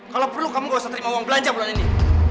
kalau perlu kamu gak usah terima uang belanja bulan ini